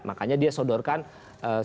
makanya dia sodorkan sejumlah hal